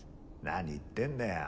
何言ってんだよ。